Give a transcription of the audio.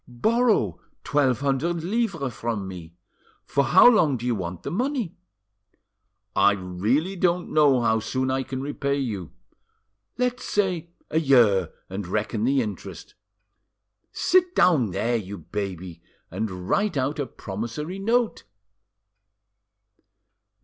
Borrow twelve hundred livres from me. For how long do you want the money?" "I really don't know how soon I can repay you." "Let's say a year, and reckon the interest. Sit down there, you baby, and write out a promissory note."